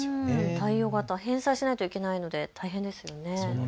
貸与型、返済しないといけないので大変ですよね。